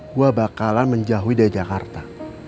gue bakalan menjauhi dari jakarta